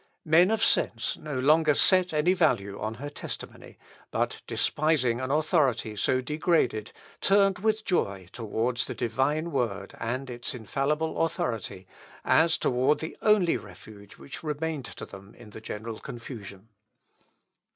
Men of sense no longer set any value on her testimony, but, despising an authority so degraded, turned with joy, towards the Divine word, and its infallible authority, as toward the only refuge which remained to them in the general confusion.